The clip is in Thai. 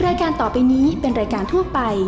รายการต่อไปนี้เป็นรายการทั่วไป